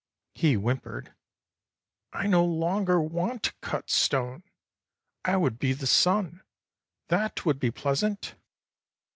He whimpered, "I no longer want to cut stone. I would be the sun; that would be pleasant."